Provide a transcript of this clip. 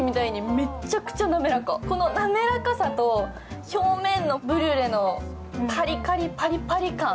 このなめらかさと表面のブリュレのカリカリ、パリパリ感